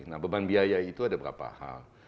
nah beban biaya itu ada berapa hal